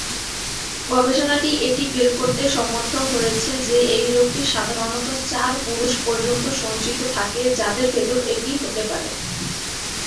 গবেষণাটি এটি বের করতে সমর্থ হয়েছে যে এই রোগটি সাধারনত চার পুরুষ পর্যন্ত সঞ্চিত থাকে যাদের ভেতর এটি হতে পারে।